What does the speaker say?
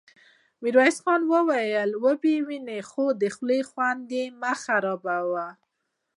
ميرويس خان وويل: وبه يې وينې، خو د خولې خوند مه خرابوه!